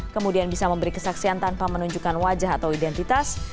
kemudian bisa memberi kesaksian tanpa menunjukkan wajah atau identitas